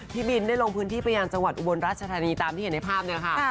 พี่บินได้ลงพื้นที่ไปยังจังหวัดอุบลราชธานีตามที่เห็นในภาพเนี่ยค่ะ